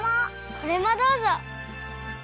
これもどうぞ。